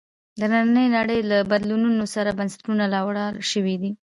د نننۍ نړۍ له بدلونونو سره بنسټونه راولاړ شوي دي.